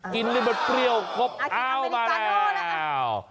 กินนี่มันเปรี้ยวครบอ้าวมาแล้ว